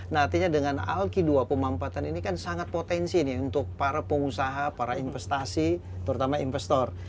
nah artinya dengan alki dua empat an ini kan sangat potensi nih untuk para pengusaha para investasi terutama investor